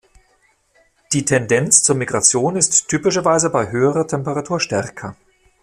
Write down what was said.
Die Tendenz zur Migration ist typischerweise bei höherer Temperatur stärker.